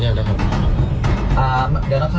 ได้แล้วครับก็รายการเรียกแล้วครับ